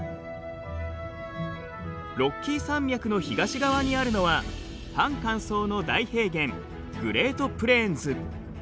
ロッキー山脈の東側にあるのは半乾燥の大平原グレートプレーンズ。